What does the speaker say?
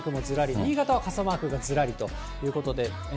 新潟は傘マークがずらりということで。